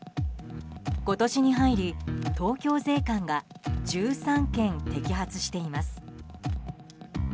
今年に入り、東京税関が１３件摘発しています。